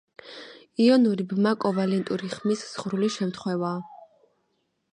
იონური ბმა კოვალენტური ბმის ზღვრული შემთხვევაა.